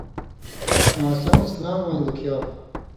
آں سېوں اسلاموَیں لُکھیاؤ؛